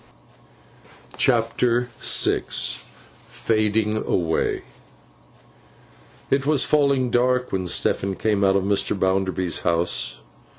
CHAPTER VI FADING AWAY IT was falling dark when Stephen came out of Mr. Bounderby's house.